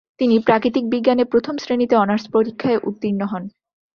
তিনি প্রাকৃতিক বিজ্ঞানে প্রথম শ্রেণীতে অনার্স পরীক্ষায় উত্তীর্ণ হন।